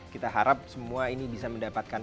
kita harap semua ini bisa mendapatkan